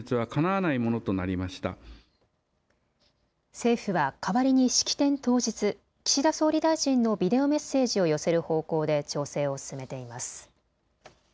政府はかわりに式典当日、岸田総理大臣のビデオメッセージを寄せる方向で調整を進めています。